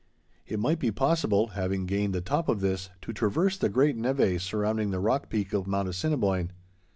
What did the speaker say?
It might be possible, having gained the top of this, to traverse the great névé surrounding the rock peak of Mount Assiniboine.